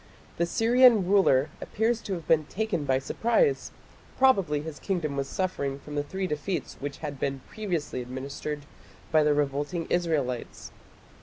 The Syrian ruler appears to have been taken by surprise; probably his kingdom was suffering from the three defeats which had been previously administered by the revolting Israelites.